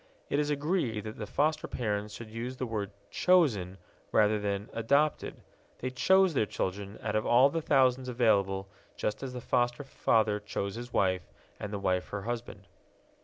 It is agreed that the foster parents should use the word "chosen" rather than "adopted" they chose their children out of all the thousands available, just as the foster father chose his wife, and the wife her husband.